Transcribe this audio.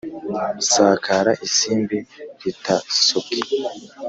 sakara isimbi ritasobwe